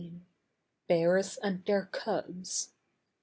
BEARS AND THEIR CUBS.